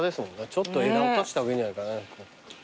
ちょっと枝落とした方がいいんじゃないかね？